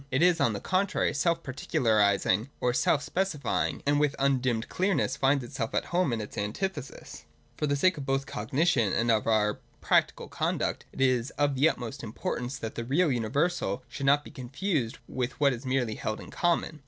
It is, on the contrary, self particularising or self specifying, and with undimmed clearness finds itself at home in its antithesis. For the sake both of cognition and of our practical conduct, it is of the utmost importance that the real universal should not be confused with what is merely held in common.